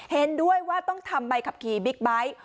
เห็นด้วยว่าต้องทำใบขับขี่บิ๊กไบท์